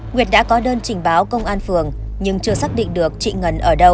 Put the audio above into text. nguyệt đã có đơn trình báo công an phường nhưng chưa xác định được chị ngân ở đâu